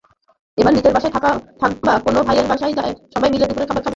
এরপর নিজের বাসায় অথবা কোনো ভাইয়ের বাসায় সবাই মিলে দুপুরের খাবার খাবেন।